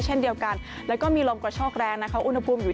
เช่นเดียวกันแล้วก็มีลมกระโชกแรงนะคะอุณหภูมิอยู่